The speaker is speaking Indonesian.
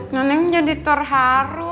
nenek jadi terharu